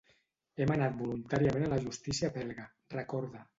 Hem anat voluntàriament a la justícia belga, recorda.